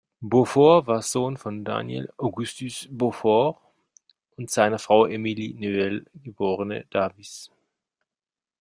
Beaufort war Sohn von Daniel Augustus Beaufort und seiner Frau Emily Newel, geborene Davis.